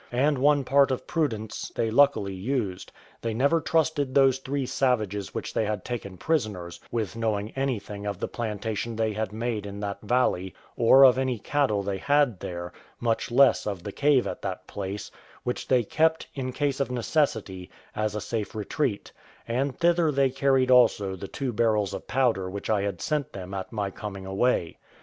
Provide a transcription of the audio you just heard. And one part of prudence they luckily used: they never trusted those three savages which they had taken prisoners with knowing anything of the plantation they had made in that valley, or of any cattle they had there, much less of the cave at that place, which they kept, in case of necessity, as a safe retreat; and thither they carried also the two barrels of powder which I had sent them at my coming away.